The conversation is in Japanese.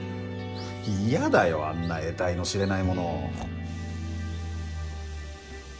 嫌だよあんな得体の知れないもの。